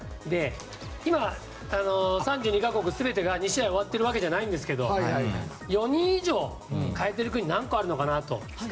今、３２か国全てが２試合終わってるわけじゃないんですけど４人以上代えている国何個あるのかなと。